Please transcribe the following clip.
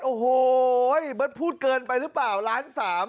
โอ้โหเบิร์ตพูดเกินไปหรือเปล่าล้านสาม